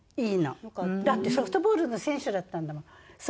だってソフトボールの選手だったんだもん。